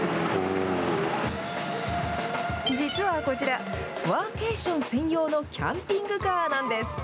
実はこちら、ワーケーション専用のキャンピングカーなんです。